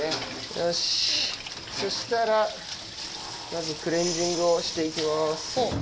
よしそしたらまずクレンジングをして行きます。